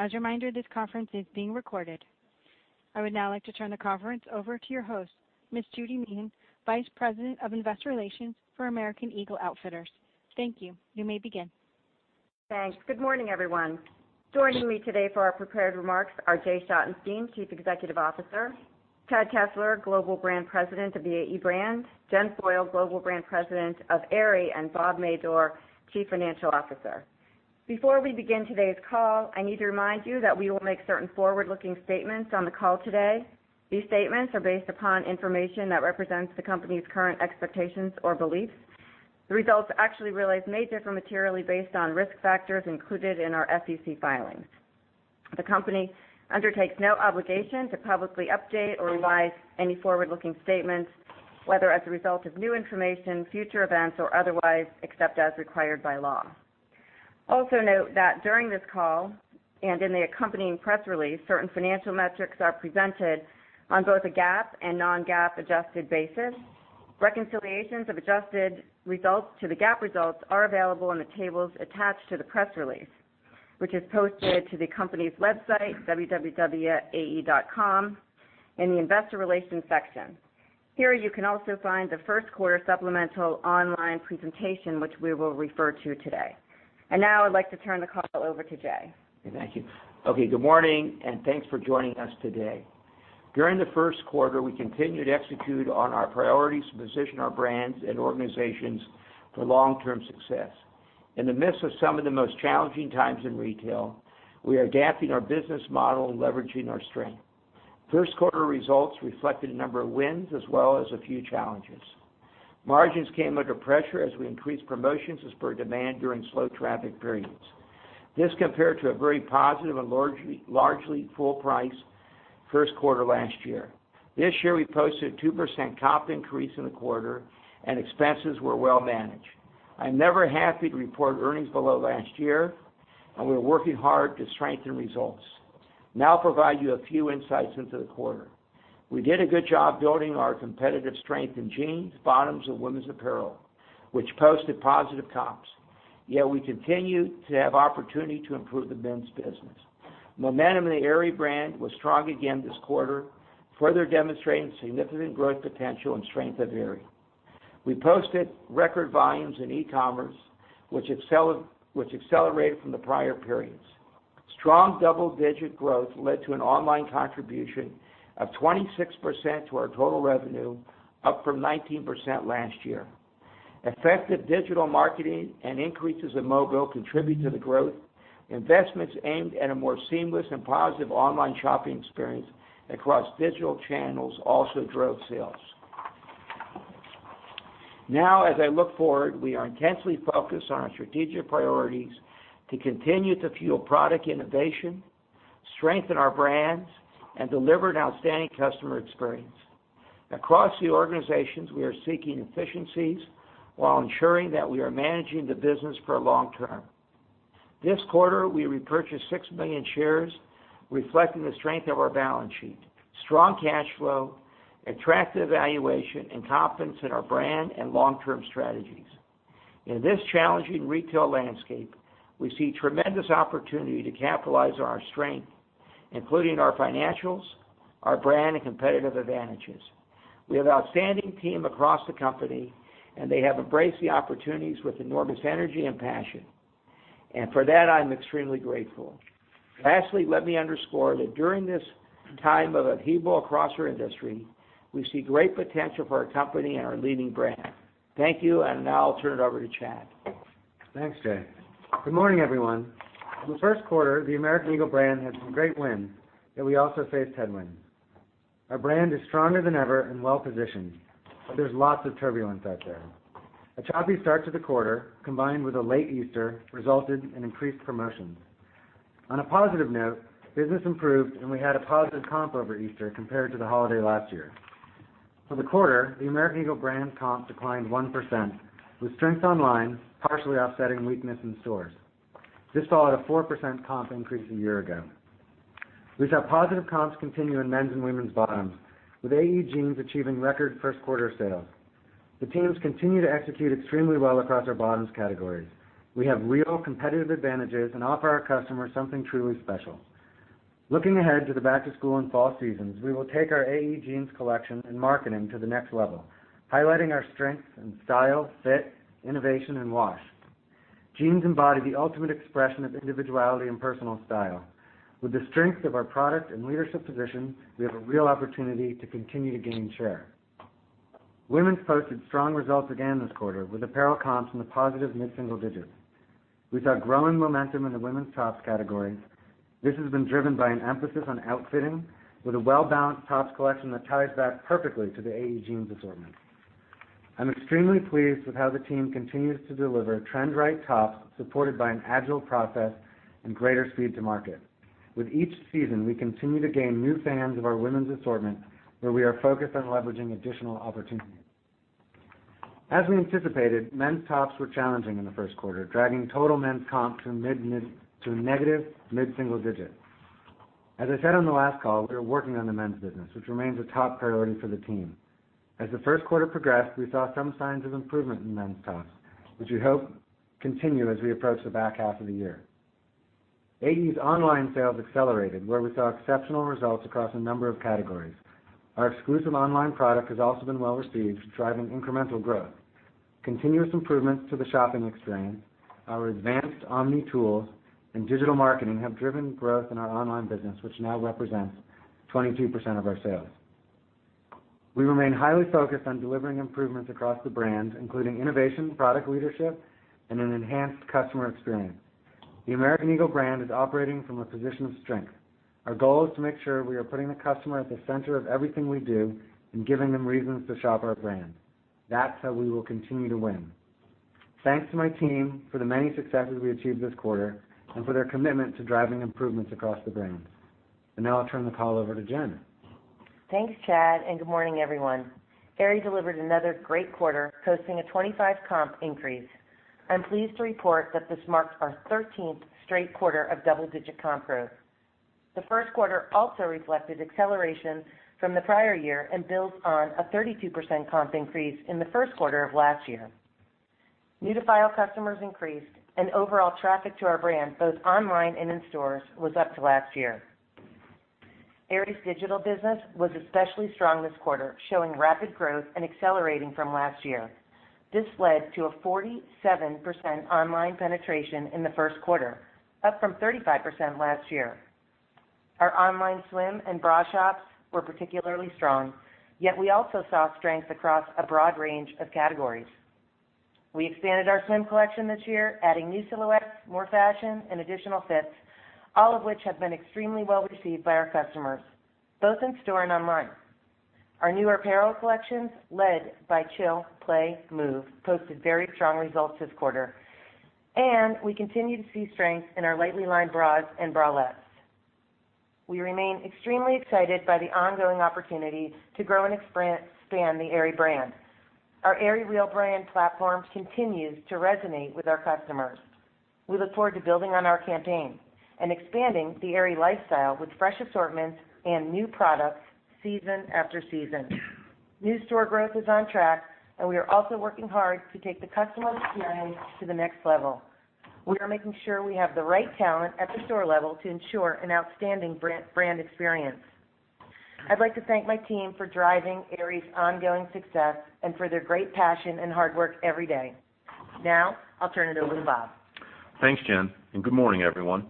As a reminder, this conference is being recorded. I would now like to turn the conference over to your host, Ms. Judy Meehan, Vice President of Investor Relations for American Eagle Outfitters. Thank you. You may begin. Thanks. Good morning, everyone. Joining me today for our prepared remarks are Jay Schottenstein, Chief Executive Officer, Chad Kessler, Global Brand President of the AE brand, Jen Foyle, Global Brand President of Aerie, and Bob Madore, Chief Financial Officer. Before we begin today's call, I need to remind you that we will make certain forward-looking statements on the call today. These statements are based upon information that represents the company's current expectations or beliefs. The results actually realized may differ materially based on risk factors included in our SEC filings. The company undertakes no obligation to publicly update or revise any forward-looking statements, whether as a result of new information, future events, or otherwise, except as required by law. Also note that during this call, and in the accompanying press release, certain financial metrics are presented on both a GAAP and non-GAAP adjusted basis. Reconciliations of adjusted results to the GAAP results are available in the tables attached to the press release, which is posted to the company's website, www.ae.com, in the investor relations section. Here, you can also find the first quarter supplemental online presentation, which we will refer to today. Now I'd like to turn the call over to Jay. Thank you. Okay, good morning, and thanks for joining us today. During the first quarter, we continued to execute on our priorities to position our brands and organizations for long-term success. In the midst of some of the most challenging times in retail, we are adapting our business model and leveraging our strength. First quarter results reflected a number of wins as well as a few challenges. Margins came under pressure as we increased promotions as per demand during slow traffic periods. This compared to a very positive and largely full-price first quarter last year. This year, we posted a 2% comp increase in the quarter and expenses were well managed. I'm never happy to report earnings below last year, and we're working hard to strengthen results. Now I'll provide you a few insights into the quarter. We did a good job building our competitive strength in jeans, bottoms and women's apparel, which posted positive comps. Yet we continue to have opportunity to improve the men's business. Momentum in the Aerie brand was strong again this quarter, further demonstrating significant growth potential and strength of Aerie. We posted record volumes in e-commerce, which accelerated from the prior periods. Strong double-digit growth led to an online contribution of 26% to our total revenue, up from 19% last year. Effective digital marketing and increases in mobile contribute to the growth. Investments aimed at a more seamless and positive online shopping experience across digital channels also drove sales. As I look forward, we are intensely focused on our strategic priorities to continue to fuel product innovation, strengthen our brands, and deliver an outstanding customer experience. Across the organizations, we are seeking efficiencies while ensuring that we are managing the business for long term. This quarter, we repurchased 6 million shares, reflecting the strength of our balance sheet, strong cash flow, attractive valuation, and confidence in our brand and long-term strategies. In this challenging retail landscape, we see tremendous opportunity to capitalize on our strength, including our financials, our brand, and competitive advantages. We have outstanding team across the company, they have embraced the opportunities with enormous energy and passion. For that, I'm extremely grateful. Lastly, let me underscore that during this time of upheaval across our industry, we see great potential for our company and our leading brand. Thank you, now I'll turn it over to Chad. Thanks, Jay. Good morning, everyone. In the first quarter, the American Eagle brand had some great wins, yet we also faced headwinds. Our brand is stronger than ever and well positioned, but there's lots of turbulence out there. A choppy start to the quarter, combined with a late Easter, resulted in increased promotions. On a positive note, business improved, and we had a positive comp over Easter compared to the holiday last year. For the quarter, the American Eagle brand comp declined 1%, with strength online partially offsetting weakness in stores. This followed a 4% comp increase a year ago. We saw positive comps continue in men's and women's bottoms, with AE jeans achieving record first quarter sales. The teams continue to execute extremely well across our bottoms categories. We have real competitive advantages and offer our customers something truly special. Looking ahead to the back to school and fall seasons, we will take our AE jeans collection and marketing to the next level, highlighting our strengths in style, fit, innovation, and wash. Jeans embody the ultimate expression of individuality and personal style. With the strength of our product and leadership position, we have a real opportunity to continue to gain share. Women's posted strong results again this quarter, with apparel comps in the positive mid-single digits. We saw growing momentum in the women's tops category. This has been driven by an emphasis on outfitting with a well-balanced tops collection that ties back perfectly to the AE jeans assortment. I'm extremely pleased with how the team continues to deliver trend-right tops supported by an agile process and greater speed to market. With each season, we continue to gain new fans of our women's assortment, where we are focused on leveraging additional opportunities. As we anticipated, men's tops were challenging in the first quarter, dragging total men's comps to negative mid-single digit. As I said on the last call, we are working on the men's business, which remains a top priority for the team. As the first quarter progressed, we saw some signs of improvement in men's comps, which we hope continue as we approach the back half of the year. AE's online sales accelerated, where we saw exceptional results across a number of categories. Our exclusive online product has also been well-received, driving incremental growth. Continuous improvements to the shopping experience, our advanced omni tools, and digital marketing have driven growth in our online business, which now represents 22% of our sales. We remain highly focused on delivering improvements across the brands, including innovation, product leadership, and an enhanced customer experience. The American Eagle brand is operating from a position of strength. Our goal is to make sure we are putting the customer at the center of everything we do and giving them reasons to shop our brand. That's how we will continue to win. Thanks to my team for the many successes we achieved this quarter and for their commitment to driving improvements across the brands. Now I'll turn the call over to Jen. Thanks, Chad, good morning, everyone. Aerie delivered another great quarter, posting a 25 comp increase. I'm pleased to report that this marks our 13th straight quarter of double-digit comp growth. The first quarter also reflected acceleration from the prior year and builds on a 32% comp increase in the first quarter of last year. New to file customers increased and overall traffic to our brand, both online and in stores, was up to last year. Aerie's digital business was especially strong this quarter, showing rapid growth and accelerating from last year. This led to a 47% online penetration in the first quarter, up from 35% last year. Our online swim and bra shops were particularly strong, yet we also saw strength across a broad range of categories. We expanded our swim collection this year, adding new silhouettes, more fashion, and additional fits, all of which have been extremely well-received by our customers, both in store and online. Our new apparel collections, led by Chill, Play, Move, posted very strong results this quarter, and we continue to see strength in our lightly lined bras and bralettes. We remain extremely excited by the ongoing opportunity to grow and expand the Aerie brand. Our AerieREAL Brand platform continues to resonate with our customers. We look forward to building on our campaign and expanding the Aerie lifestyle with fresh assortments and new products season after season. New store growth is on track, and we are also working hard to take the customer experience to the next level. We are making sure we have the right talent at the store level to ensure an outstanding brand experience. I'd like to thank my team for driving Aerie's ongoing success and for their great passion and hard work every day. Now, I'll turn it over to Bob. Thanks, Jen. Good morning, everyone.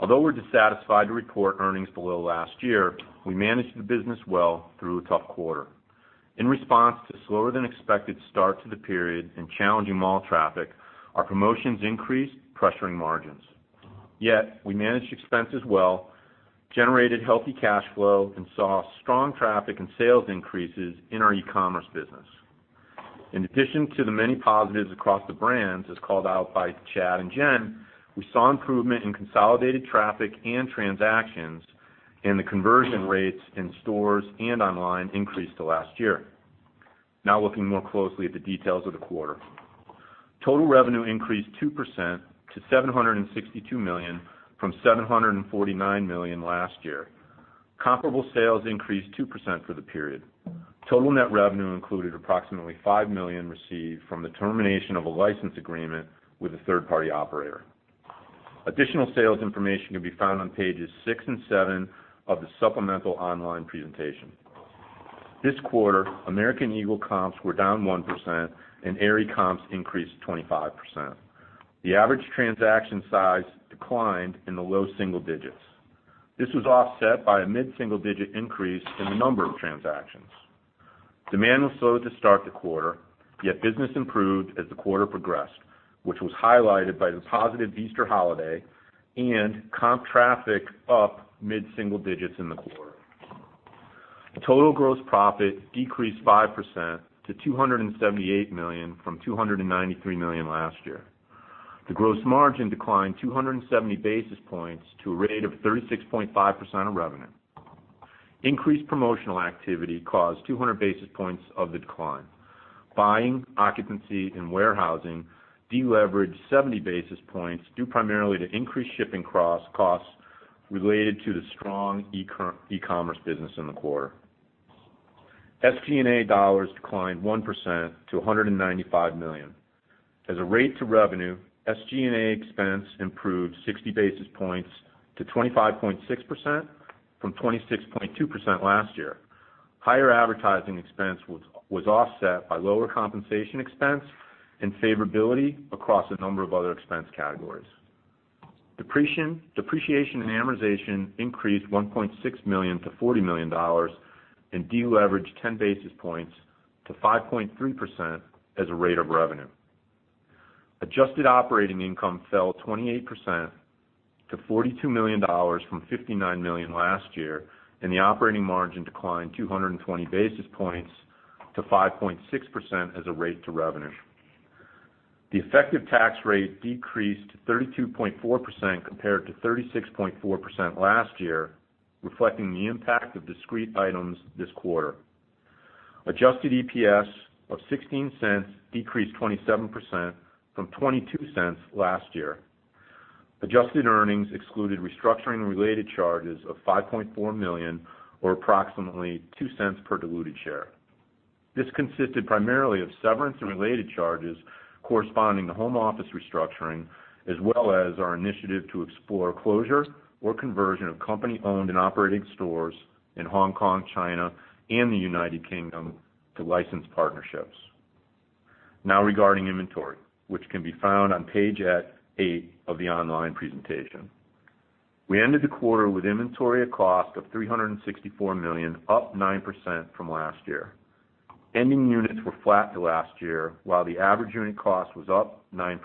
Although we're dissatisfied to report earnings below last year, we managed the business well through a tough quarter. In response to a slower-than-expected start to the period and challenging mall traffic, our promotions increased, pressuring margins. We managed expenses well, generated healthy cash flow, and saw strong traffic and sales increases in our e-commerce business. In addition to the many positives across the brands, as called out by Chad and Jen, we saw improvement in consolidated traffic and transactions, and the conversion rates in stores and online increased to last year. Looking more closely at the details of the quarter. Total revenue increased 2% to $762 million from $749 million last year. Comparable sales increased 2% for the period. Total net revenue included approximately $5 million received from the termination of a license agreement with a third-party operator. Additional sales information can be found on pages six and seven of the supplemental online presentation. This quarter, American Eagle comps were down 1% and Aerie comps increased 25%. The average transaction size declined in the low single digits. This was offset by a mid-single-digit increase in the number of transactions. Demand was slow to start the quarter. Business improved as the quarter progressed, which was highlighted by the positive Easter holiday and comp traffic up mid-single digits in the quarter. Total gross profit decreased 5% to $278 million from $293 million last year. The gross margin declined 270 basis points to a rate of 36.5% of revenue. Increased promotional activity caused 200 basis points of the decline. Buying, occupancy, and warehousing deleveraged 70 basis points due primarily to increased shipping costs related to the strong e-commerce business in the quarter. SG&A dollars declined 1% to $195 million. As a rate to revenue, SG&A expense improved 60 basis points to 25.6% from 26.2% last year. Higher advertising expense was offset by lower compensation expense and favorability across a number of other expense categories. Depreciation and amortization increased $1.6 million to $40 million and deleveraged 10 basis points to 5.3% as a rate of revenue. Adjusted operating income fell 28% to $42 million from $59 million last year. The operating margin declined 220 basis points to 5.6% as a rate to revenue. The effective tax rate decreased to 32.4% compared to 36.4% last year, reflecting the impact of discrete items this quarter. Adjusted EPS of $0.16 decreased 27% from $0.22 last year. Adjusted earnings excluded restructuring-related charges of $5.4 million or approximately $0.02 per diluted share. This consisted primarily of severance and related charges corresponding to home office restructuring, as well as our initiative to explore closure or conversion of company-owned and operating stores in Hong Kong, China, and the U.K. to licensed partnerships. Regarding inventory, which can be found on page eight of the online presentation. We ended the quarter with inventory of cost of $364 million, up 9% from last year. Ending units were flat to last year, while the average unit cost was up 9%.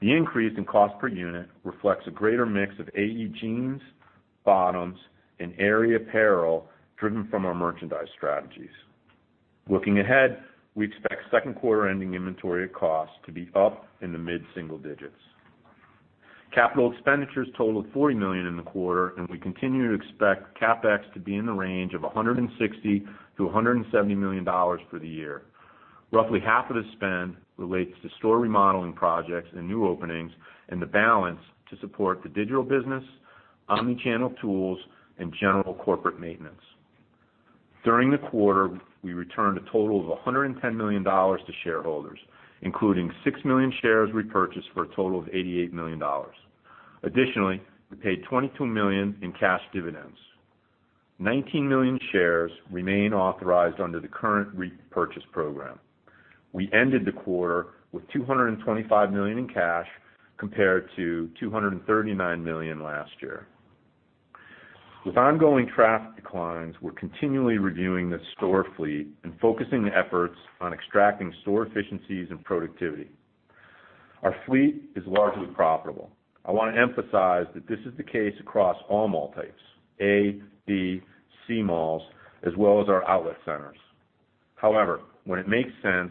The increase in cost per unit reflects a greater mix of AE jeans, bottoms, and Aerie apparel driven from our merchandise strategies. Looking ahead, we expect second quarter ending inventory of cost to be up in the mid-single digits. Capital expenditures totaled $40 million in the quarter, and we continue to expect CapEx to be in the range of $160 million-$170 million for the year. Roughly half of the spend relates to store remodeling projects and new openings, the balance to support the digital business, omni-channel tools, and general corporate maintenance. During the quarter, we returned a total of $110 million to shareholders, including 6 million shares repurchased for a total of $88 million. Additionally, we paid $22 million in cash dividends. 19 million shares remain authorized under the current repurchase program. We ended the quarter with $225 million in cash compared to $239 million last year. With ongoing traffic declines, we're continually reviewing the store fleet and focusing efforts on extracting store efficiencies and productivity. Our fleet is largely profitable. I want to emphasize that this is the case across all mall types: A, B, C malls, as well as our outlet centers. When it makes sense,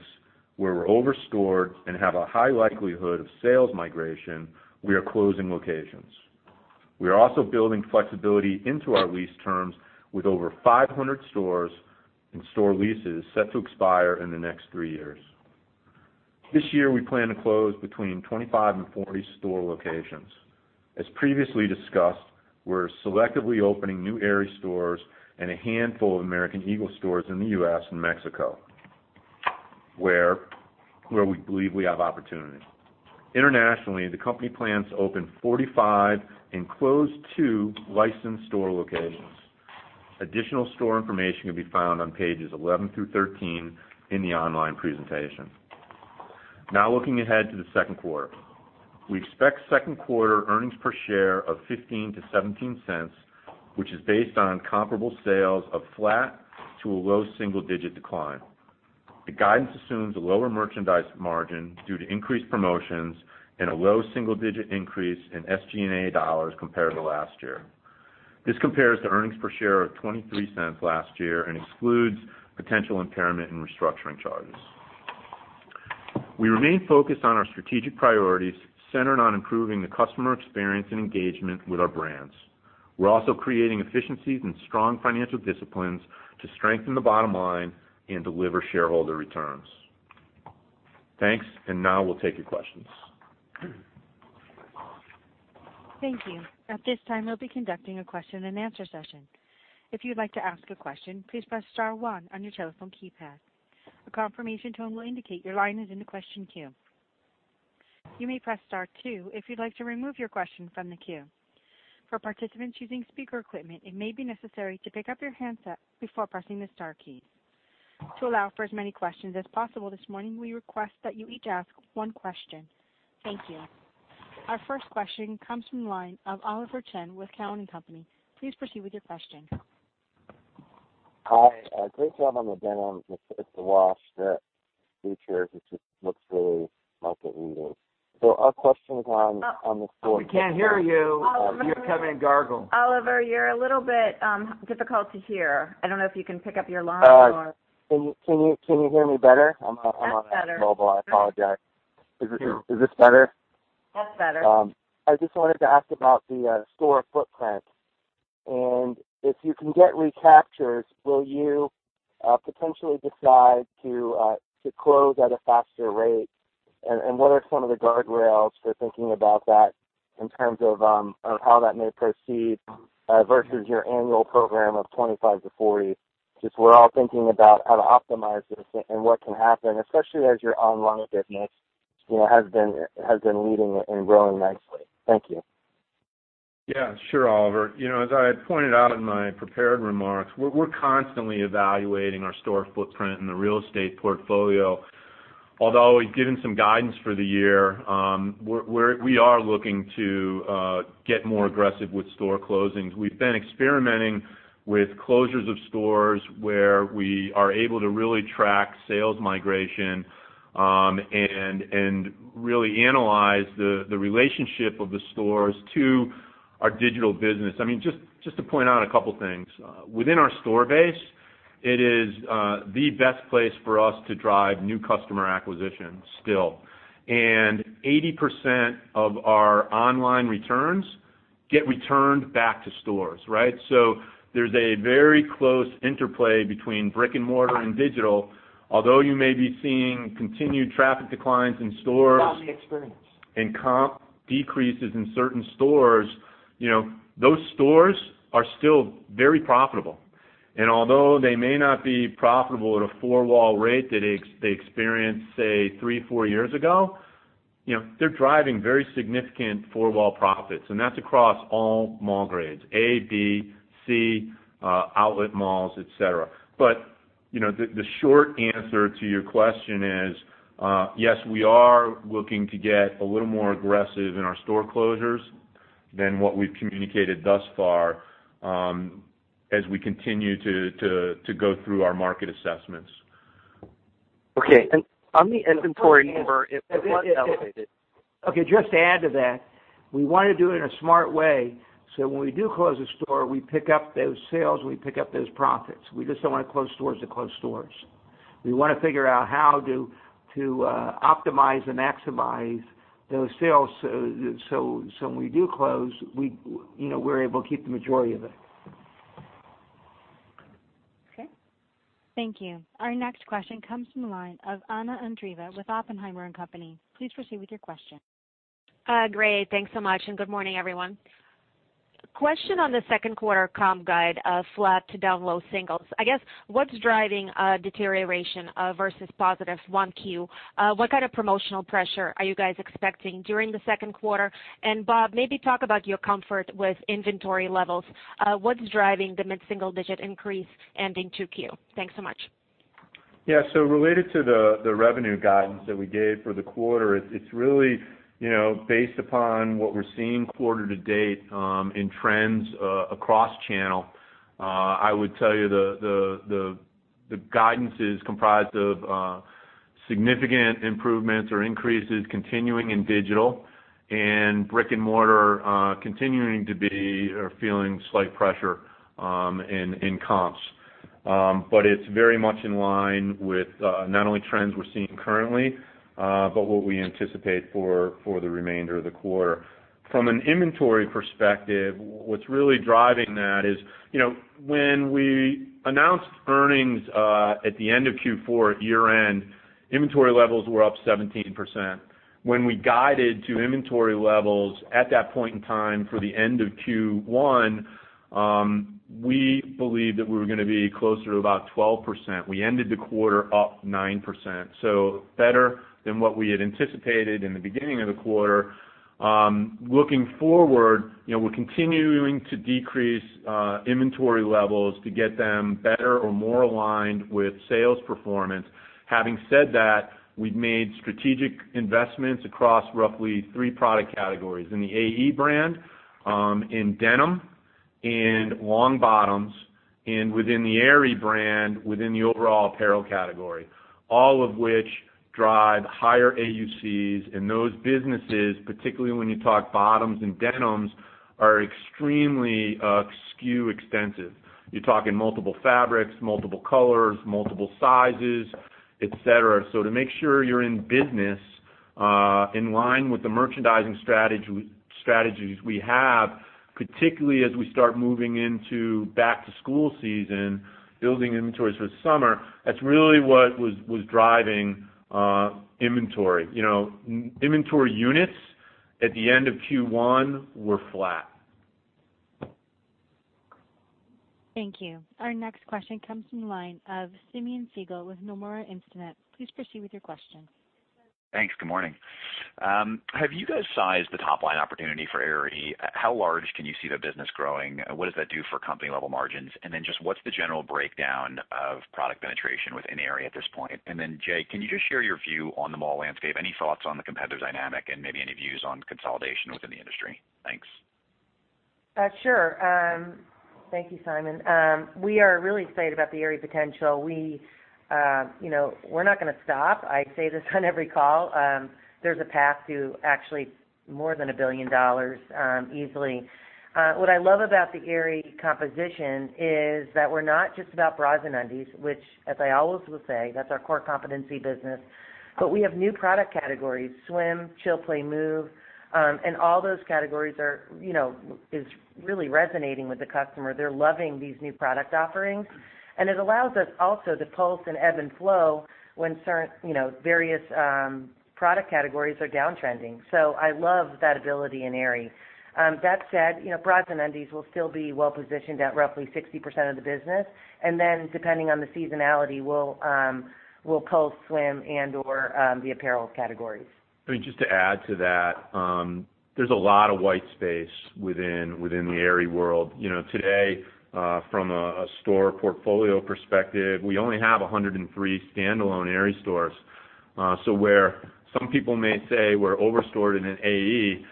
where we're overstored and have a high likelihood of sales migration, we are closing locations. We are also building flexibility into our lease terms with over 500 stores and store leases set to expire in the next three years. This year, we plan to close between 25 and 40 store locations. As previously discussed, we're selectively opening new Aerie stores and a handful of American Eagle stores in the U.S. and Mexico, where we believe we have opportunity. Internationally, the company plans to open 45 and close two licensed store locations. Additional store information can be found on pages 11 through 13 in the online presentation. Looking ahead to the second quarter. We expect second quarter earnings per share of $0.15-$0.17, which is based on comparable sales of flat to a low single-digit decline. The guidance assumes a lower merchandise margin due to increased promotions and a low single-digit increase in SG&A dollars compared to last year. This compares to earnings per share of $0.23 last year and excludes potential impairment and restructuring charges. We remain focused on our strategic priorities centered on improving the customer experience and engagement with our brands. We're also creating efficiencies and strong financial disciplines to strengthen the bottom line and deliver shareholder returns. Thanks. Now we'll take your questions. Thank you. At this time, we'll be conducting a question and answer session. If you'd like to ask a question, please press star one on your telephone keypad. A confirmation tone will indicate your line is in the question queue. You may press star two if you'd like to remove your question from the queue. For participants using speaker equipment, it may be necessary to pick up your handset before pressing the star keys. To allow for as many questions as possible this morning, we request that you each ask one question. Thank you. Our first question comes from the line of Oliver Chen with Cowen and Company. Please proceed with your question. Hi. Great job on the denim with the wash, the features. It just looks really market-leading. Our question is on the store- We can't hear you. You're coming in garbled. Oliver, you're a little bit difficult to hear. I don't know if you can pick up your line or Can you hear me better? That's better. mobile. I apologize. Is this better? That's better. I just wanted to ask about the store footprint. If you can get recaptures, will you potentially decide to close at a faster rate? What are some of the guardrails for thinking about that in terms of how that may proceed versus your annual program of 25 to 40? Just we're all thinking about how to optimize this and what can happen, especially as your online business has been leading and growing nicely. Thank you. Yeah. Sure, Oliver. As I had pointed out in my prepared remarks, we're constantly evaluating our store footprint and the real estate portfolio. Although we've given some guidance for the year, we are looking to get more aggressive with store closings. We've been experimenting with closures of stores where we are able to really track sales migration, and really analyze the relationship of the stores to our digital business. Just to point out a couple of things. Within our store base, it is the best place for us to drive new customer acquisition still. 80% of our online returns get returned back to stores. There's a very close interplay between brick and mortar and digital. Although you may be seeing continued traffic declines in stores- It's not the experience Comp decreases in certain stores, those stores are still very profitable. Although they may not be profitable at a four-wall rate that they experienced, say, three, four years ago, they're driving very significant four-wall profits, and that's across all mall grades, A, B, C, outlet malls, et cetera. The short answer to your question is, yes, we are looking to get a little more aggressive in our store closures than what we've communicated thus far, as we continue to go through our market assessments. Okay. On the inventory number, it was elevated. Okay, just to add to that, we want to do it in a smart way, when we do close a store, we pick up those sales, and we pick up those profits. We just don't want to close stores to close stores. We want to figure out how to optimize and maximize those sales, when we do close, we're able to keep the majority of it. Okay. Thank you. Our next question comes from the line of Anna Andreeva with Oppenheimer & Co.. Please proceed with your question. Great. Thanks so much, good morning, everyone. Question on the second quarter comp guide, flat to down low singles. I guess, what's driving deterioration versus positive 1Q? What kind of promotional pressure are you guys expecting during the second quarter? Bob, maybe talk about your comfort with inventory levels. What's driving the mid-single digit increase ending 2Q? Thanks so much. Related to the revenue guidance that we gave for the quarter, it's really based upon what we're seeing quarter to date in trends across channel. I would tell you the guidance is comprised of significant improvements or increases continuing in digital and brick and mortar continuing to be or feeling slight pressure in comps. It's very much in line with not only trends we're seeing currently, but what we anticipate for the remainder of the quarter. From an inventory perspective, what's really driving that is when we announced earnings at the end of Q4 at year end, inventory levels were up 17%. When we guided to inventory levels at that point in time for the end of Q1, we believed that we were going to be closer to about 12%. We ended the quarter up 9%, better than what we had anticipated in the beginning of the quarter. Looking forward, we're continuing to decrease inventory levels to get them better or more aligned with sales performance. Having said that, we've made strategic investments across roughly three product categories. In the AE brand, in denim and long bottoms, and within the Aerie brand, within the overall apparel category. All of which drive higher AUCs. Those businesses, particularly when you talk bottoms and denims, are extremely SKU extensive. You're talking multiple fabrics, multiple colors, multiple sizes, et cetera. To make sure you're in business, in line with the merchandising strategies we have, particularly as we start moving into back to school season, building inventories for the summer, that's really what was driving inventory. Inventory units at the end of Q1 were flat. Thank you. Our next question comes from the line of Simeon Siegel with Nomura Instinet. Please proceed with your question. Thanks. Good morning. Have you guys sized the top-line opportunity for Aerie? How large can you see the business growing? What does that do for company level margins? Just what's the general breakdown of product penetration within Aerie at this point? Jay, can you just share your view on the mall landscape? Any thoughts on the competitive dynamic and maybe any views on consolidation within the industry? Thanks. Sure. Thank you, Simeon. We are really excited about the Aerie potential. We're not going to stop. I say this on every call. There's a path to actually more than $1 billion easily. What I love about the Aerie composition is that we're not just about bras and undies, which as I always will say, that's our core competency business. We have new product categories, swim, Chill, Play, Move, and all those categories is really resonating with the customer. They're loving these new product offerings. It allows us also to pulse and ebb and flow when various product categories are downtrending. I love that ability in Aerie. That said, bras and undies will still be well positioned at roughly 60% of the business. Then depending on the seasonality, we'll pulse swim and/or the apparel categories. Just to add to that, there's a lot of white space within the Aerie world. Today, from a store portfolio perspective, we only have 103 standalone Aerie stores. Where some people may say we're over stored in an AE,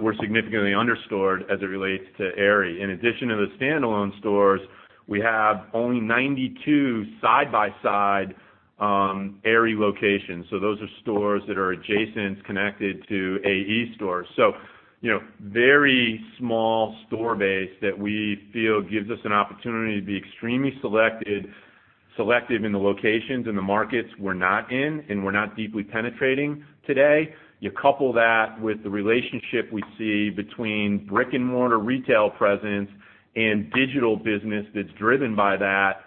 we're significantly under stored as it relates to Aerie. In addition to the standalone stores, we have only 92 side-by-side Aerie locations. Those are stores that are adjacent, connected to AE stores. Very small store base that we feel gives us an opportunity to be extremely selective in the locations and the markets we're not in and we're not deeply penetrating today. You couple that with the relationship we see between brick-and-mortar retail presence and digital business that's driven by that.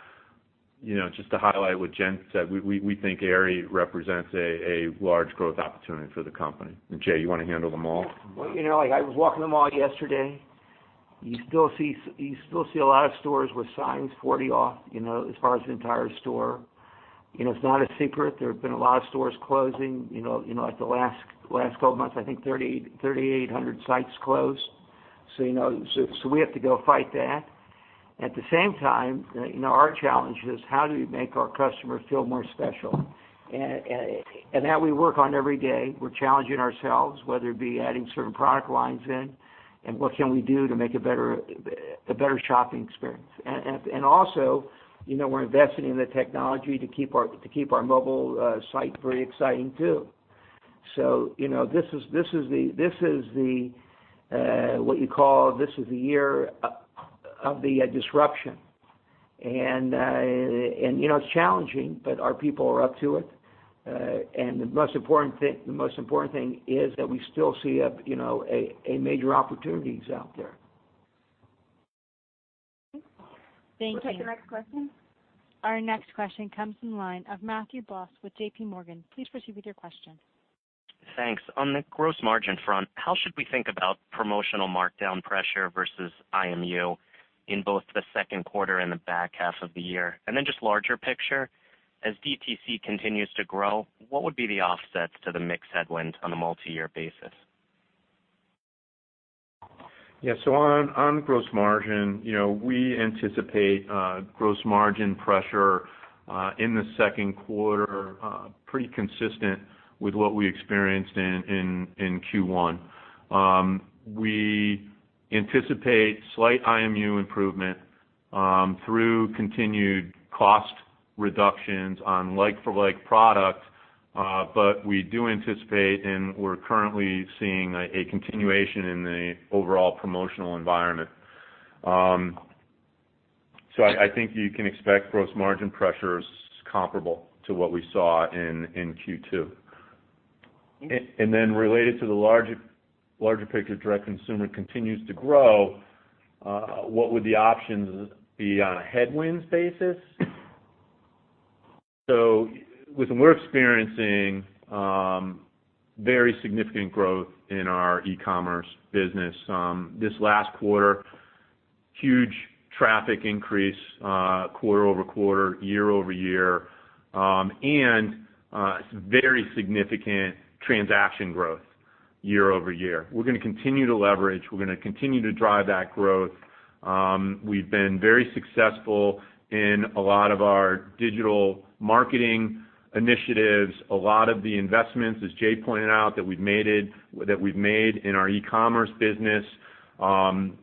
Just to highlight what Jen said, we think Aerie represents a large growth opportunity for the company. Jay, you want to handle the mall? Well, I was walking the mall yesterday. You still see a lot of stores with signs, 40% off, as far as the entire store. It's not a secret. There have been a lot of stores closing. The last 12 months, I think 3,800 sites closed. We have to go fight that. At the same time, our challenge is how do we make our customers feel more special? That we work on every day. We're challenging ourselves, whether it be adding certain product lines in, and what can we do to make a better shopping experience. Also, we're investing in the technology to keep our mobile site very exciting, too. This is what you call the year of the disruption. It's challenging, but our people are up to it. The most important thing is that we still see a major opportunity out there. Thank you. We'll take the next question. Our next question comes from the line of Matthew Boss with JPMorgan. Please proceed with your question. Thanks. On the gross margin front, how should we think about promotional markdown pressure versus IMU in both the second quarter and the back half of the year? Then just larger picture, as DTC continues to grow, what would be the offsets to the mix headwinds on a multi-year basis? Yeah. On gross margin, we anticipate gross margin pressure in the second quarter pretty consistent with what we experienced in Q1. We anticipate slight IMU improvement through continued cost reductions on like-for-like product. We do anticipate, and we're currently seeing a continuation in the overall promotional environment. I think you can expect gross margin pressures comparable to what we saw in Q2. Then related to the larger picture, direct-to-consumer continues to grow. What would the options be on a headwinds basis? We're experiencing very significant growth in our e-commerce business. This last quarter, huge traffic increase quarter-over-quarter, year-over-year, and some very significant transaction growth year-over-year. We're going to continue to leverage, we're going to continue to drive that growth. We've been very successful in a lot of our digital marketing initiatives. A lot of the investments, as Jay pointed out, that we've made in our e-commerce business,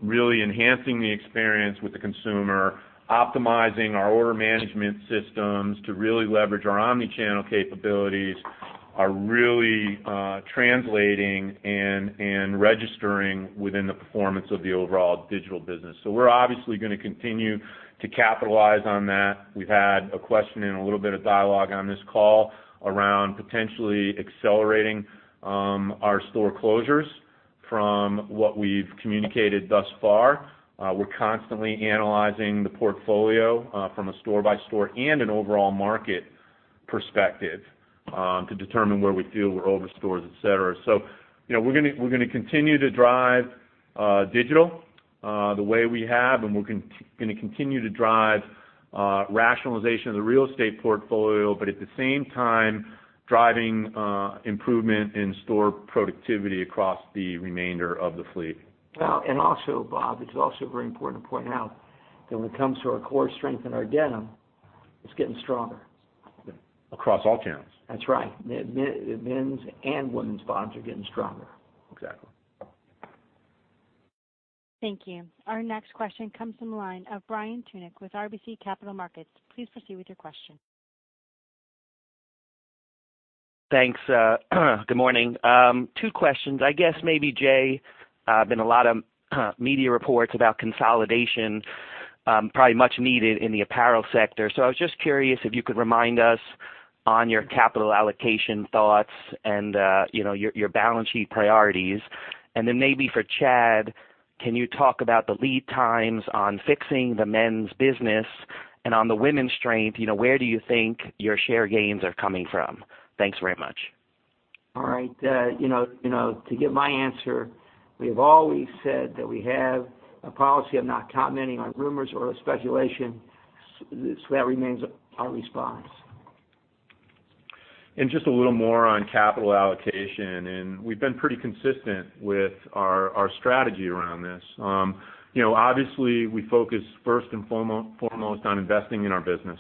really enhancing the experience with the consumer, optimizing our order management systems to really leverage our omni-channel capabilities, are really translating and registering within the performance of the overall digital business. We're obviously going to continue to capitalize on that. We've had a question and a little bit of dialogue on this call around potentially accelerating our store closures from what we've communicated thus far. We're constantly analyzing the portfolio from a store-by-store and an overall market perspective to determine where we feel we're over stores, et cetera. We're going to continue to drive digital the way we have, and we're going to continue to drive rationalization of the real estate portfolio, but at the same time, driving improvement in store productivity across the remainder of the fleet. Bob, it's also very important to point out that when it comes to our core strength in our denim, it's getting stronger. Across all channels. That's right. The men's and women's bottoms are getting stronger. Exactly. Thank you. Our next question comes from the line of Brian Tunick with RBC Capital Markets. Please proceed with your question. Thanks. Good morning. Two questions. I guess maybe, Jay, been a lot of media reports about consolidation, probably much needed in the apparel sector. I was just curious if you could remind us on your capital allocation thoughts and your balance sheet priorities. Then maybe for Chad, can you talk about the lead times on fixing the men's business, and on the women's strength, where do you think your share gains are coming from? Thanks very much. All right. To give my answer, we have always said that we have a policy of not commenting on rumors or speculation, that remains our response. Just a little more on capital allocation, we've been pretty consistent with our strategy around this. Obviously, we focus first and foremost on investing in our business.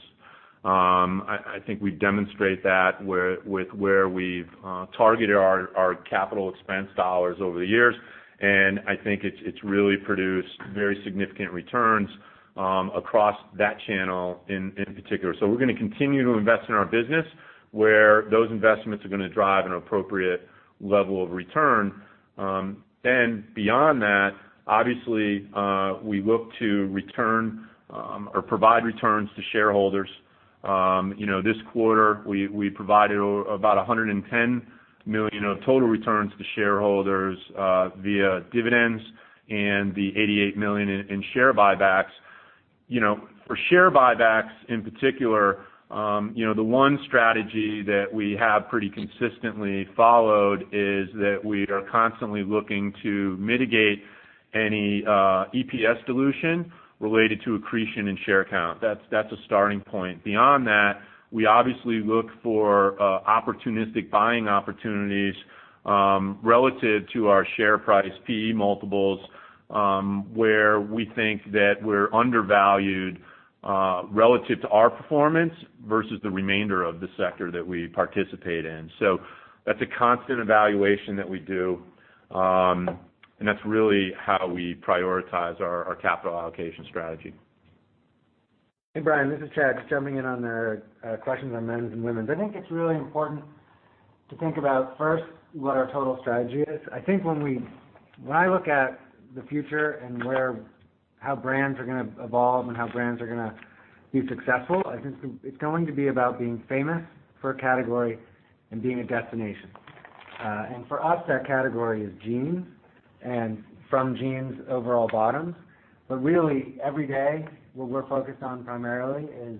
I think we demonstrate that with where we've targeted our capital expense dollars over the years, I think it's really produced very significant returns across that channel in particular. We're going to continue to invest in our business where those investments are going to drive an appropriate level of return. Beyond that, obviously, we look to return or provide returns to shareholders This quarter, we provided about $110 million of total returns to shareholders via dividends and the $88 million in share buybacks. For share buybacks, in particular, the one strategy that we have pretty consistently followed is that we are constantly looking to mitigate any EPS dilution related to accretion in share count. That's a starting point. Beyond that, we obviously look for opportunistic buying opportunities relative to our share price PE multiples, where we think that we're undervalued relative to our performance versus the remainder of the sector that we participate in. That's a constant evaluation that we do, and that's really how we prioritize our capital allocation strategy. Hey, Brian, this is Chad. Just jumping in on the questions on men's and women's. I think it's really important to think about first what our total strategy is. I think when I look at the future and how brands are going to evolve and how brands are going to be successful, I think it's going to be about being famous for a category and being a destination. For us, that category is jeans, and from jeans, overall bottoms. Really, every day, what we're focused on primarily is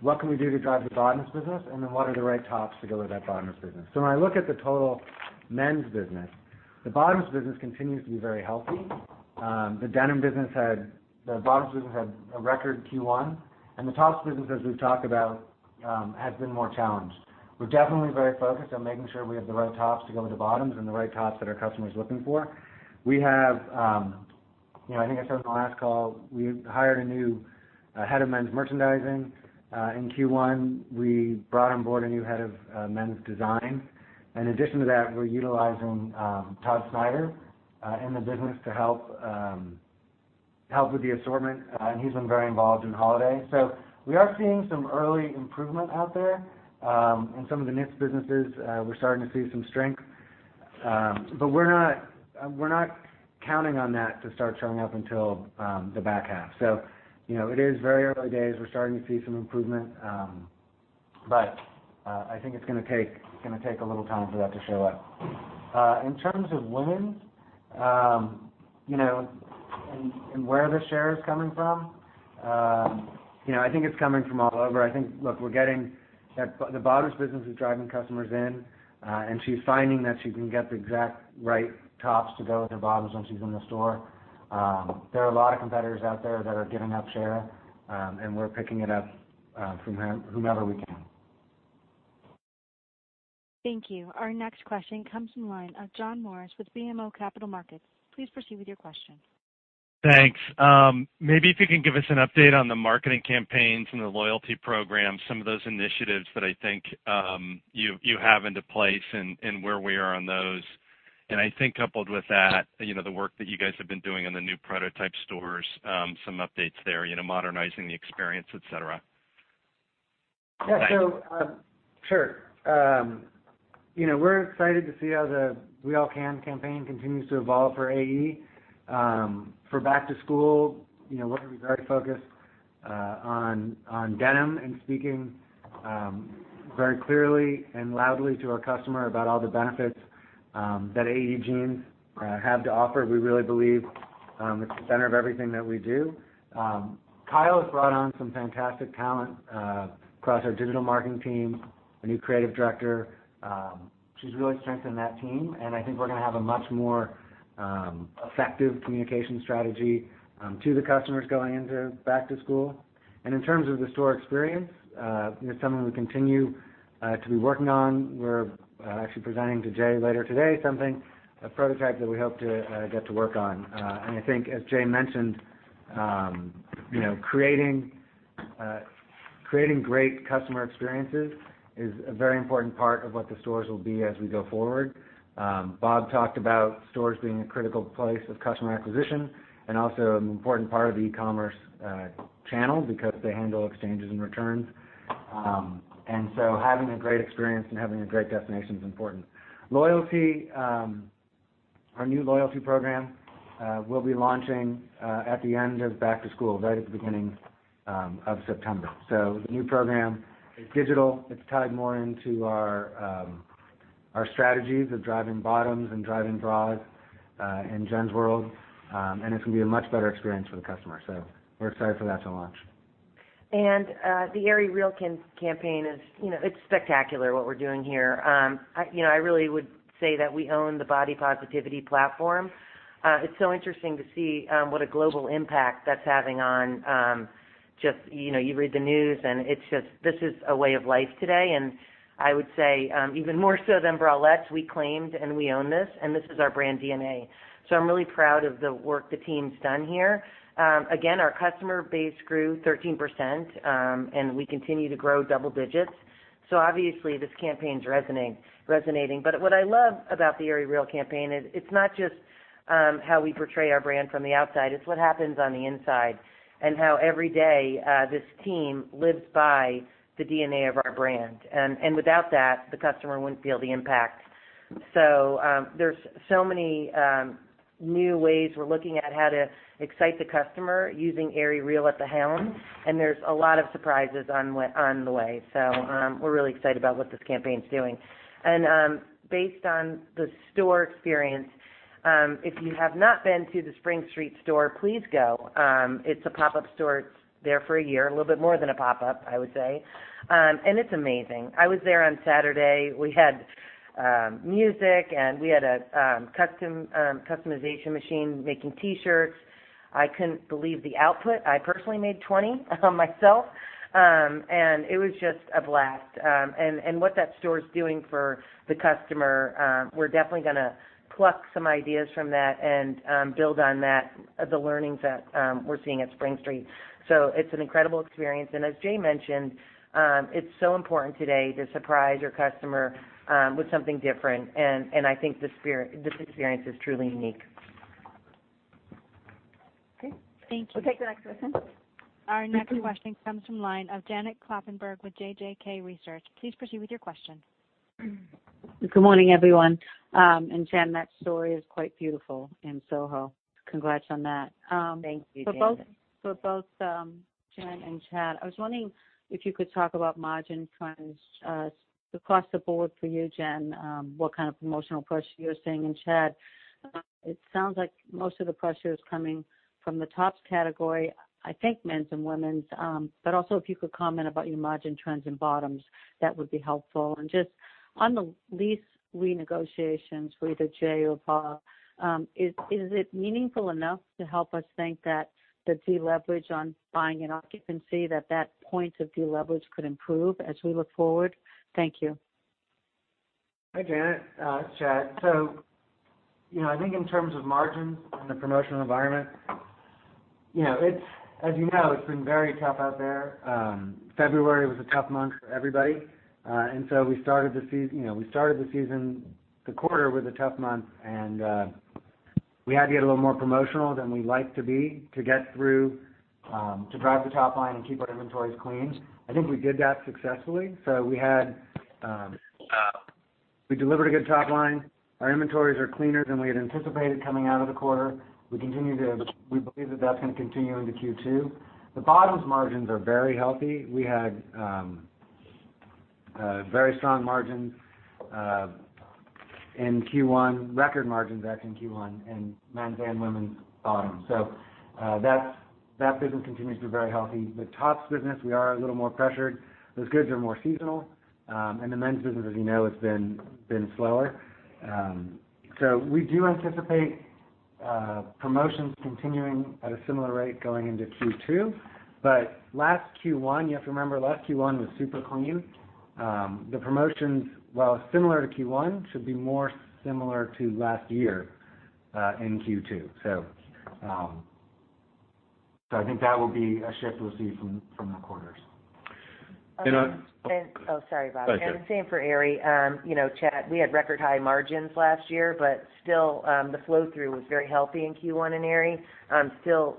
what can we do to drive the bottoms business, and then what are the right tops to go with that bottoms business? When I look at the total men's business, the bottoms business continues to be very healthy. The bottoms business had a record Q1, and the tops business, as we've talked about, has been more challenged. We're definitely very focused on making sure we have the right tops to go with the bottoms and the right tops that our customer is looking for. I think I said on the last call, we hired a new head of men's merchandising. In Q1, we brought on board a new head of men's design. In addition to that, we're utilizing Todd Snyder in the business to help with the assortment, and he's been very involved in holiday. We are seeing some early improvement out there. In some of the niche businesses, we're starting to see some strength. We're not counting on that to start showing up until the back half. It is very early days. We're starting to see some improvement. I think it's going to take a little time for that to show up. In terms of women's, where the share is coming from, I think it's coming from all over. I think the bottoms business is driving customers in, she's finding that she can get the exact right tops to go with her bottoms once she's in the store. There are a lot of competitors out there that are giving up share, we're picking it up from whomever we can. Thank you. Our next question comes from the line of John Morris with BMO Capital Markets. Please proceed with your question. Thanks. Maybe if you can give us an update on the marketing campaigns and the loyalty programs, some of those initiatives that I think you have into place and where we are on those. I think coupled with that, the work that you guys have been doing on the new prototype stores, some updates there, modernizing the experience, et cetera. Yeah. Sure. We're excited to see how the We All Can campaign continues to evolve for AE. For back to school, we're going to be very focused on denim and speaking very clearly and loudly to our customer about all the benefits that AE jeans have to offer. We really believe it's the center of everything that we do. Kyle has brought on some fantastic talent across our digital marketing team, a new creative director. She's really strengthened that team, I think we're going to have a much more effective communication strategy to the customers going into back to school. In terms of the store experience, it's something we continue to be working on. We're actually presenting to Jay later today something, a prototype that we hope to get to work on. I think as Jay mentioned, creating great customer experiences is a very important part of what the stores will be as we go forward. Bob talked about stores being a critical place of customer acquisition and also an important part of the e-commerce channel because they handle exchanges and returns. Having a great experience and having a great destination is important. Loyalty. Our new loyalty program will be launching at the end of back to school, right at the beginning of September. The new program is digital. It's tied more into our strategies of driving bottoms and driving bras in Jen's world. It's going to be a much better experience for the customer. We're excited for that to launch. The AerieREAL campaign, it's spectacular what we're doing here. I really would say that we own the body positivity platform. It's so interesting to see what a global impact that's having on You read the news and this is a way of life today. I would say even more so than bralettes, we claimed and we own this, and this is our brand DNA. I'm really proud of the work the team's done here. Again, our customer base grew 13%, and we continue to grow double digits. Obviously, this campaign's resonating. What I love about the AerieREAL campaign is it's not just how we portray our brand from the outside, it's what happens on the inside and how every day this team lives by the DNA of our brand. Without that, the customer wouldn't feel the impact. There's so many new ways we're looking at how to excite the customer using AerieREAL at the helm, and there's a lot of surprises on the way. We're really excited about what this campaign's doing. Based on the store experience, if you have not been to the Spring Street store, please go. It's a pop-up store. It's there for a year. A little bit more than a pop-up, I would say. It's amazing. I was there on Saturday. We had music, and we had a customization machine making T-shirts. I couldn't believe the output. I personally made 20 myself. It was just a blast. What that store's doing for the customer, we're definitely going to pluck some ideas from that and build on that, the learnings that we're seeing at Spring Street. It's an incredible experience. As Jay mentioned, it's so important today to surprise your customer with something different, and I think this experience is truly unique. Okay. Thank you. We'll take the next question. Our next question comes from line of Janet Kloppenburg with JJK Research. Please proceed with your question. Good morning, everyone. Jen, that story is quite beautiful in SoHo. Congrats on that. Thank you, Janet. For both Jen and Chad, I was wondering if you could talk about margin trends across the board for you, Jen, what kind of promotional push you were seeing. Chad, it sounds like most of the pressure is coming from the tops category, I think men's and women's. Also, if you could comment about your margin trends in bottoms, that would be helpful. Just on the lease renegotiations for either Jay or Bob, is it meaningful enough to help us think that the deleverage on buying and occupancy, that that point of deleverage could improve as we look forward? Thank you. Hi, Janet. It's Chad. I think in terms of margins and the promotional environment, as you know, it's been very tough out there. February was a tough month for everybody. We started the season, the quarter, with a tough month, and we had to get a little more promotional than we like to be to drive the top line and keep our inventories clean. I think we did that successfully. We delivered a good top line. Our inventories are cleaner than we had anticipated coming out of the quarter. We believe that that's going to continue into Q2. The bottoms margins are very healthy. We had very strong margins in Q1, record margins, actually, in Q1 in men's and women's bottoms. That business continues to be very healthy. The tops business, we are a little more pressured. Those goods are more seasonal. The men's business, as you know, has been slower. We do anticipate promotions continuing at a similar rate going into Q2. You have to remember, last Q1 was super clean. The promotions, while similar to Q1, should be more similar to last year in Q2. I think that will be a shift we'll see from the quarters. Oh, sorry, Bob. That's okay. The same for Aerie. Chad, we had record high margins last year, still, the flow-through was very healthy in Q1 in Aerie. Still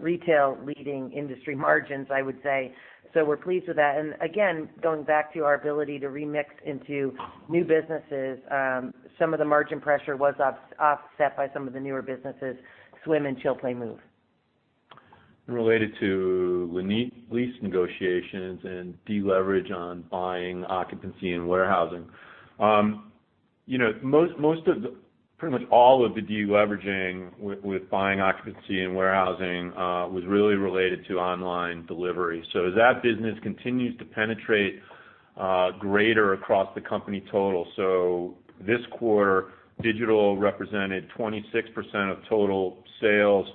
retail leading industry margins, I would say. We're pleased with that. Again, going back to our ability to remix into new businesses, some of the margin pressure was offset by some of the newer businesses, Swim and Chill, Play, Move. Related to lease negotiations and deleverage on buying occupancy and warehousing. Pretty much all of the deleveraging with buying occupancy and warehousing was really related to online delivery. As that business continues to penetrate greater across the company total. This quarter, digital represented 26% of total sales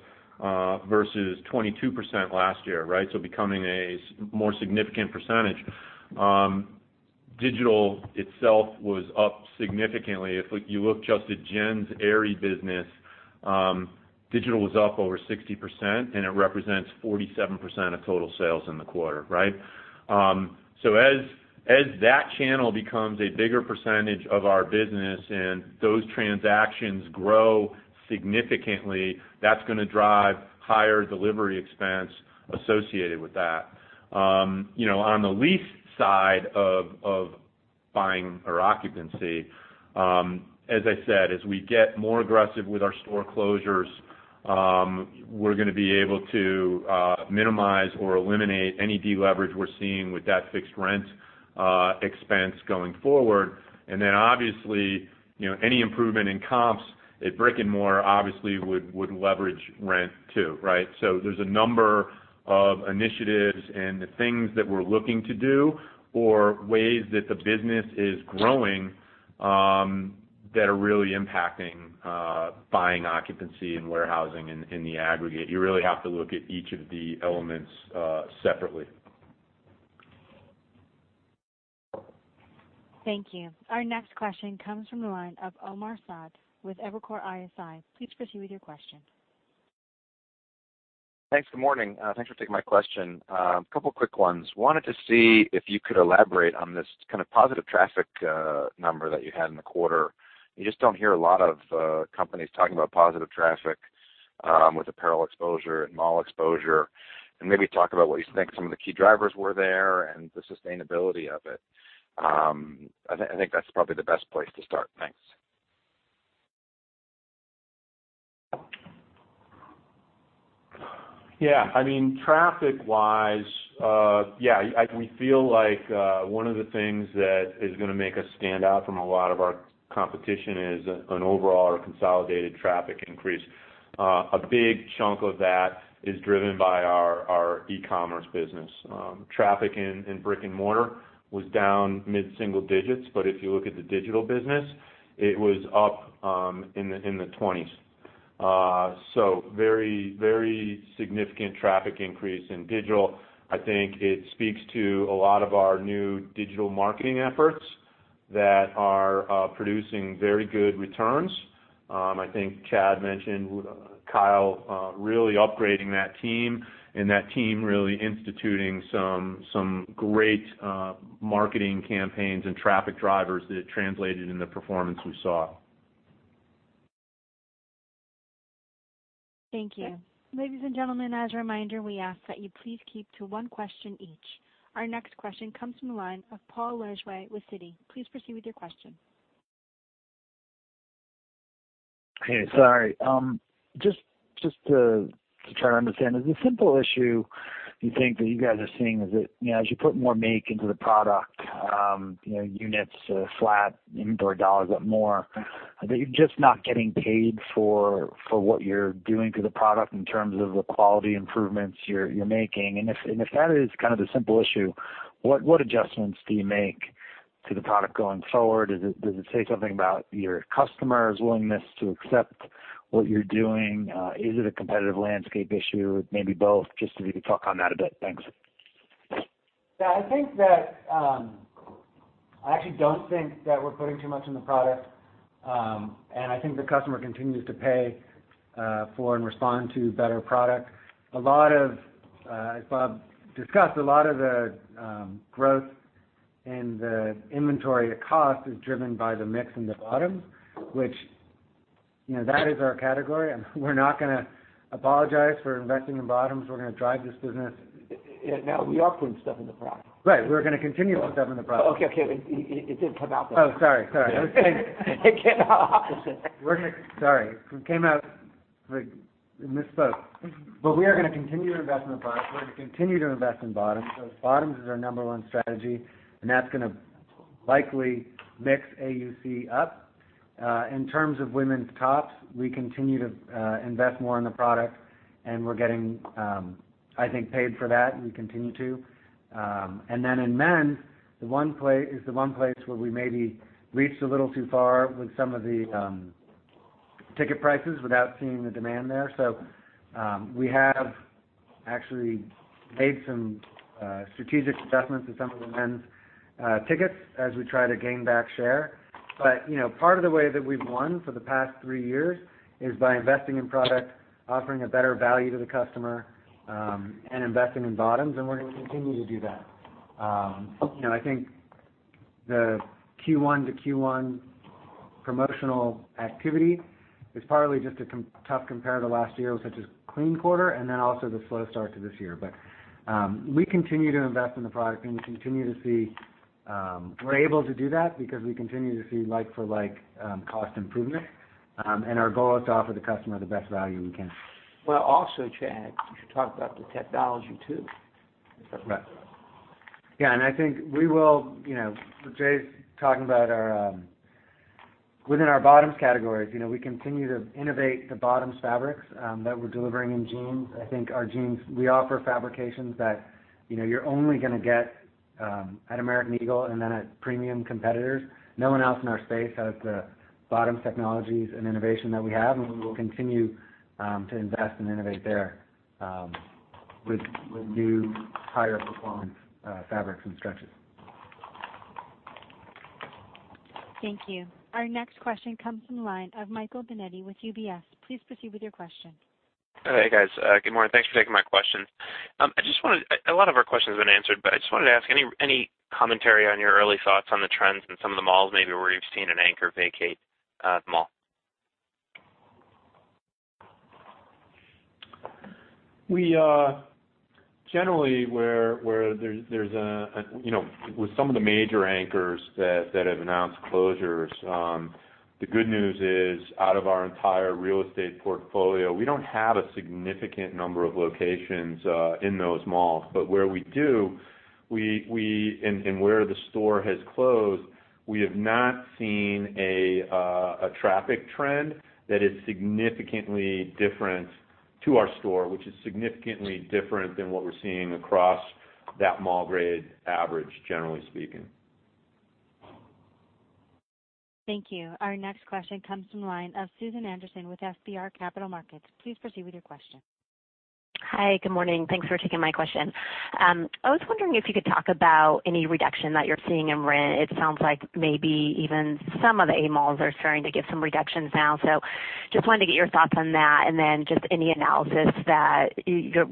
versus 22% last year. Becoming a more significant percentage. Digital itself was up significantly. If you look just at Jen's Aerie business, digital was up over 60%, and it represents 47% of total sales in the quarter. As that channel becomes a bigger percentage of our business and those transactions grow significantly, that's going to drive higher delivery expense associated with that. On the lease side of buying or occupancy, as I said, as we get more aggressive with our store closures, we're going to be able to minimize or eliminate any deleverage we're seeing with that fixed rent expense going forward. Then obviously, any improvement in comps at Brick and Mortar obviously would leverage rent too. There's a number of initiatives and the things that we're looking to do or ways that the business is growing that are really impacting buying occupancy and warehousing in the aggregate. You really have to look at each of the elements separately. Thank you. Our next question comes from the line of Omar Saad with Evercore ISI. Please proceed with your question. Thanks. Good morning. Thanks for taking my question. A couple quick ones. Wanted to see if you could elaborate on this positive traffic number that you had in the quarter. You just don't hear a lot of companies talking about positive traffic with apparel exposure and mall exposure. Maybe talk about what you think some of the key drivers were there and the sustainability of it. I think that's probably the best place to start. Thanks. Yeah. Traffic wise, we feel like one of the things that is going to make us stand out from a lot of our competition is an overall or consolidated traffic increase. A big chunk of that is driven by our e-commerce business. Traffic in brick and mortar was down mid-single digits, but if you look at the digital business, it was up in the 20s. Very significant traffic increase in digital. I think it speaks to a lot of our new digital marketing efforts that are producing very good returns. I think Chad mentioned Kyle really upgrading that team and that team really instituting some great marketing campaigns and traffic drivers that translated in the performance we saw. Thank you. Ladies and gentlemen, as a reminder, we ask that you please keep to one question each. Our next question comes from the line of Paul Lejuez with Citi. Please proceed with your question. Hey, sorry. Just to try to understand. Is the simple issue you think that you guys are seeing is that, as you put more make into the product, units flat, inventory dollars up more, that you're just not getting paid for what you're doing to the product in terms of the quality improvements you're making? If that is the simple issue, what adjustments do you make to the product going forward? Does it say something about your customers' willingness to accept what you're doing? Is it a competitive landscape issue? Maybe both. Just if you could talk on that a bit. Thanks. Yeah. I actually don't think that we're putting too much in the product. I think the customer continues to pay for and respond to better product. As Bob discussed, a lot of the growth in the inventory, the cost is driven by the mix in the bottoms, which that is our category, and we're not going to apologize for investing in bottoms. We're going to drive this business. Now, we are putting stuff in the product. Right. We're going to continue to put stuff in the product. Okay. It didn't come out that way. Sorry. It came out opposite. Sorry. I misspoke. We are going to continue to invest in the product. We're going to continue to invest in bottoms. Bottoms is our number one strategy, and that's going to likely mix AUC up. In terms of women's tops, we continue to invest more in the product, and we're getting paid for that, and we continue to. In men's, is the one place where we maybe reached a little too far with some of the ticket prices without seeing the demand there. We have actually made some strategic adjustments to some of the men's tickets as we try to gain back share. Part of the way that we've won for the past three years is by investing in product, offering a better value to the customer, and investing in bottoms, and we're going to continue to do that. I think the Q1 to Q1 promotional activity is partly just a tough compare to last year, which was a clean quarter, then also the slow start to this year. We continue to invest in the product, and we're able to do that because we continue to see like-for-like cost improvement. Our goal is to offer the customer the best value we can. Well, also, Chad, you should talk about the technology too. Right. Yeah, I think we will. Jay's talking about within our bottoms categories, we continue to innovate the bottoms fabrics that we're delivering in AE jeans. I think our AE jeans, we offer fabrications that you're only going to get at American Eagle and then at premium competitors. No one else in our space has the bottoms technologies and innovation that we have, and we will continue to invest and innovate there with new higher performance fabrics and stretches. Thank you. Our next question comes from the line of Michael Binetti with UBS. Please proceed with your question. Hey, guys. Good morning. Thanks for taking my questions. A lot of our questions have been answered. I just wanted to ask any commentary on your early thoughts on the trends in some of the malls, maybe where you've seen an anchor vacate the mall. Generally, with some of the major anchors that have announced closures, the good news is, out of our entire real estate portfolio, we don't have a significant number of locations in those malls. Where we do and where the store has closed, we have not seen a traffic trend that is significantly different to our store, which is significantly different than what we're seeing across that mall grade average, generally speaking. Thank you. Our next question comes from the line of Susan Anderson with FBR Capital Markets. Please proceed with your question. Hi, good morning. Thanks for taking my question. I was wondering if you could talk about any reduction that you're seeing in rent. It sounds like maybe even some of the A malls are starting to get some reductions now. Just wanted to get your thoughts on that, just any analysis that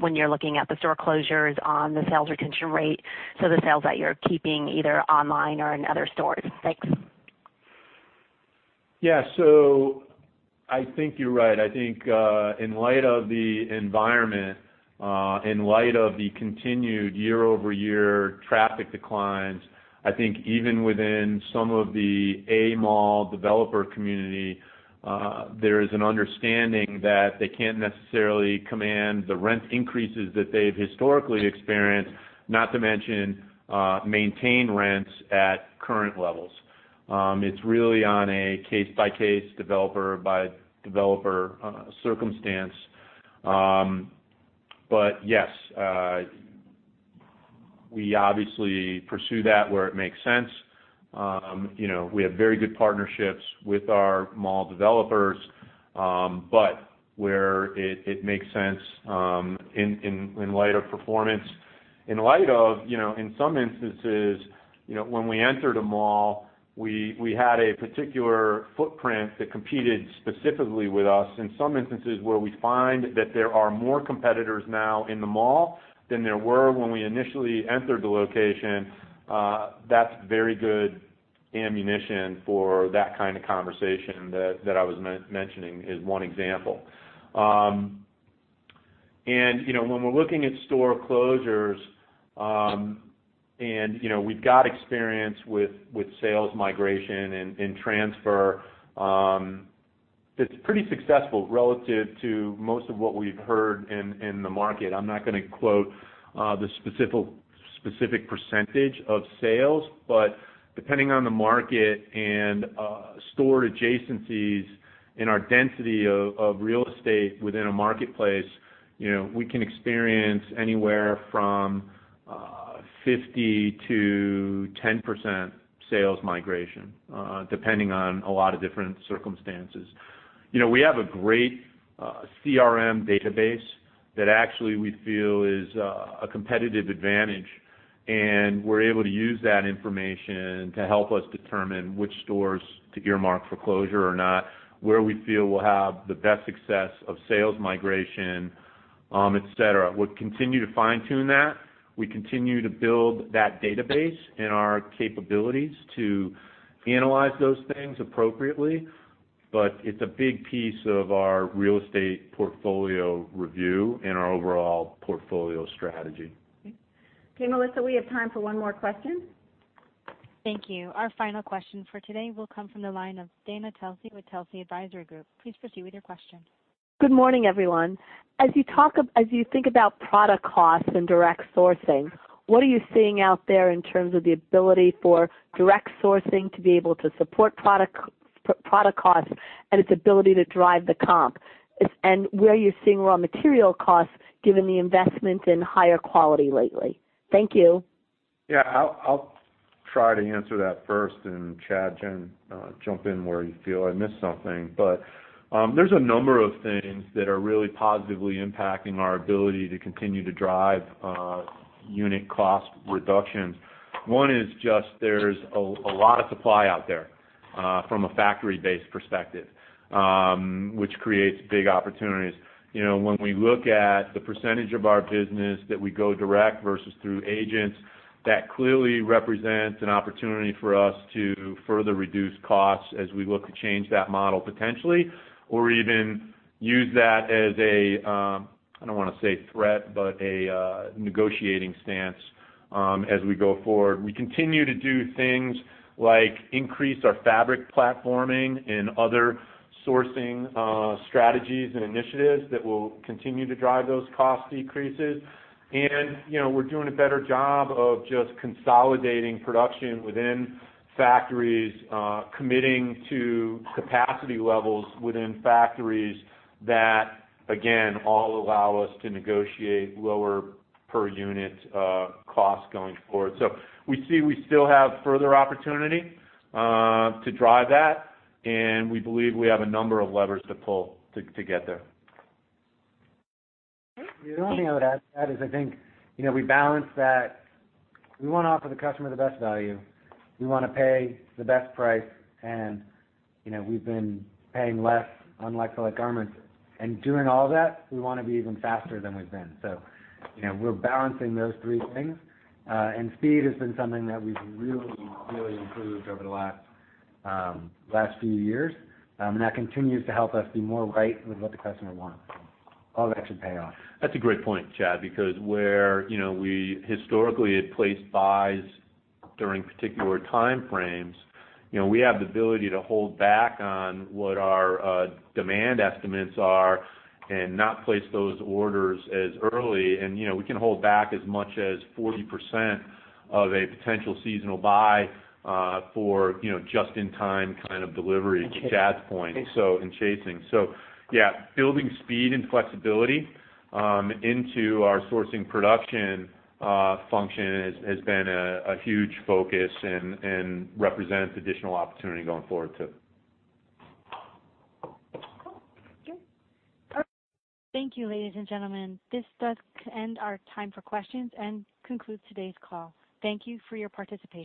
when you're looking at the store closures on the sales retention rate, so the sales that you're keeping either online or in other stores. Thanks. I think you're right. I think in light of the environment, in light of the continued year-over-year traffic declines, I think even within some of the A mall developer community, there is an understanding that they can't necessarily command the rent increases that they've historically experienced, not to mention, maintain rents at current levels. It's really on a case-by-case, developer-by-developer circumstance. Yes, we obviously pursue that where it makes sense. We have very good partnerships with our mall developers, but where it makes sense in light of performance. In some instances, when we entered a mall, we had a particular footprint that competed specifically with us. In some instances where we find that there are more competitors now in the mall than there were when we initially entered the location, that's very good ammunition for that kind of conversation that I was mentioning, is one example. When we're looking at store closures, and we've got experience with sales migration and transfer. It's pretty successful relative to most of what we've heard in the market. I'm not going to quote the specific percentage of sales, but depending on the market and store adjacencies and our density of real estate within a marketplace, we can experience anywhere from 5%-10% sales migration, depending on a lot of different circumstances. We have a great CRM database that actually we feel is a competitive advantage, and we're able to use that information to help us determine which stores to earmark for closure or not, where we feel we'll have the best success of sales migration, et cetera. We'll continue to fine-tune that. We continue to build that database and our capabilities to analyze those things appropriately. It's a big piece of our real estate portfolio review and our overall portfolio strategy. Okay, Melissa, we have time for one more question. Thank you. Our final question for today will come from the line of Dana Telsey with Telsey Advisory Group. Please proceed with your question. Good morning, everyone. As you think about product costs and direct sourcing, what are you seeing out there in terms of the ability for direct sourcing to be able to support product costs and its ability to drive the comp? Where are you seeing raw material costs given the investment in higher quality lately? Thank you. Yeah. I'll try to answer that first, Chad, Jen, jump in where you feel I missed something. There's a number of things that are really positively impacting our ability to continue to drive unit cost reductions. One is just there's a lot of supply out there from a factory-based perspective, which creates big opportunities. When we look at the percentage of our business that we go direct versus through agents, that clearly represents an opportunity for us to further reduce costs as we look to change that model potentially, or even use that as a, I don't want to say threat, but a negotiating stance as we go forward. We continue to do things like increase our fabric platforming and other sourcing strategies and initiatives that will continue to drive those cost decreases. We're doing a better job of just consolidating production within factories, committing to capacity levels within factories that, again, all allow us to negotiate lower per unit costs going forward. We see we still have further opportunity to drive that, and we believe we have a number of levers to pull to get there. Okay. The only thing I would add to that is I think we balance that we want to offer the customer the best value. We want to pay the best price, and we've been paying less on like for like garments. Doing all that, we want to be even faster than we've been. We're balancing those three things. Speed has been something that we've really, really improved over the last few years. That continues to help us be more right with what the customer wants. All that should pay off. That's a great point, Chad, because where we historically had placed buys during particular time frames, we have the ability to hold back on what our demand estimates are and not place those orders as early. We can hold back as much as 40% of a potential seasonal buy for just-in-time kind of delivery. Chasing. To Chad's point. In chasing. Yeah, building speed and flexibility into our sourcing production function has been a huge focus and represents additional opportunity going forward, too. Cool. Okay. All right. Thank you, ladies and gentlemen. This does end our time for questions and concludes today's call. Thank you for your participation.